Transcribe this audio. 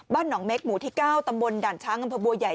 หนองเม็กหมู่ที่๙ตำบลด่านช้างอำเภอบัวใหญ่